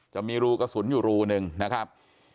จะมีรูกระสุนอยู่รูหนึ่งนะครับ